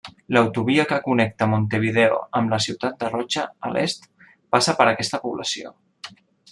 L'autovia que connecta Montevideo amb la ciutat de Rocha, a l'est, passa per aquesta població.